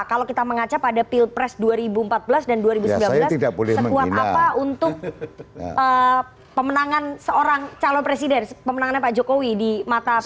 kalau kita mengaca pada pilpres dua ribu empat belas dan dua ribu sembilan belas sekuat apa untuk pemenangan seorang calon presiden pemenangannya pak jokowi di mata p tiga